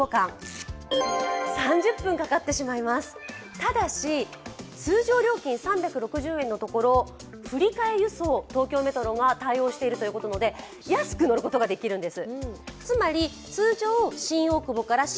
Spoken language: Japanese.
ただし通常料金３６０円のところ振り替え輸送ということで東京メトロが対応しているということなので安く乗ることができるんです。